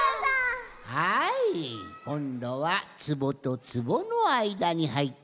はいこんどはつぼとつぼのあいだにはいってみたぞ。